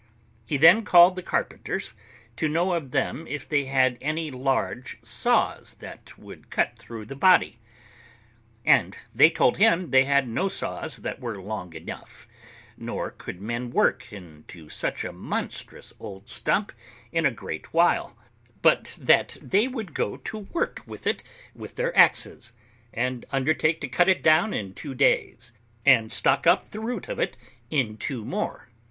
He then called the carpenters, to know of them if they had any large saws that would cut through the body; and they told him they had no saws that were long enough, nor could men work into such a monstrous old stump in a great while; but that they would go to work with it with their axes, and undertake to cut it down in two days, and stock up the root of it in two more.